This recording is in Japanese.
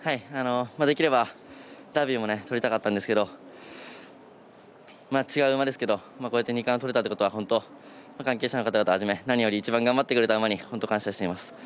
できればダービーも取りたかったんですけど違う馬ですけどこうやって二冠を取れたということは関係者の方々はじめ何より、一番頑張ってくれた馬に本当に感謝しています。